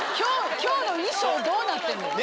今日の衣装どうなってんのよ？